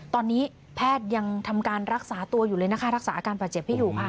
ตอนนี้แพทย์ยังทำการรักษาตัวอยู่เลยนะคะรักษาอาการบาดเจ็บให้อยู่ค่ะ